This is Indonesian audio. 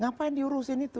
ngapain diurusin itu